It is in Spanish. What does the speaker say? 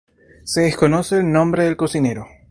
Se desconoce el nombre del cocinero.